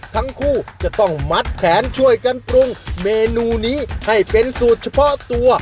ทั้งคู่จะต้องมัดแขนช่วยกันปรุงเมนูนี้ให้เป็นสูตรเฉพาะตัว